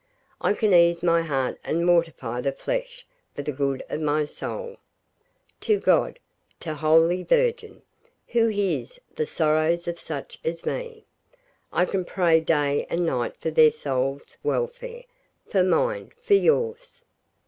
I can ease my heart and mortify the flesh for the good of my soul. To God to the Holy Virgin who hears the sorrows of such as me, I can pray day and night for their souls' welfare for mine, for yours.